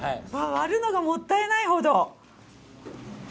割るのがもったいないほど。